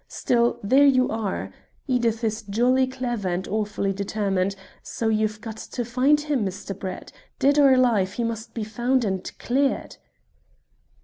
Still, there you are. Edith is jolly clever and awfully determined, so you've got to find him, Mr. Brett. Dead or alive, he must be found, and cleared."